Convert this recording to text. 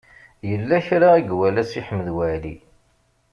Yella kra i iwala Si Ḥmed Waɛli.